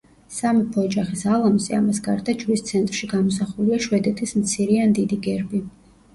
სამეფო ოჯახის ალამზე, ამას გარდა ჯვრის ცენტრში გამოსახულია შვედეთის მცირე ან დიდი გერბი.